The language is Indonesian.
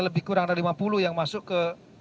lebih kurang dari lima puluh yang masuk ke